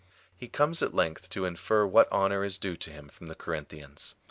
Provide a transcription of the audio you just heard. He comes at length to infer what honour is due to him from the Corinthians.